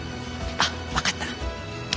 あっ分かった。